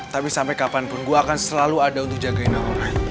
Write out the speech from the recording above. tapi sampai kapanpun gue akan selalu ada untuk jagain aku